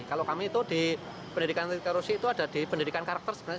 kalau kami itu di pendidikan anti korupsi itu ada di pendidikan karakter sebenarnya